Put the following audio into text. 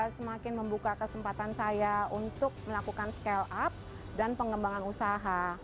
semakin membuka kesempatan saya untuk melakukan scale up dan pengembangan usaha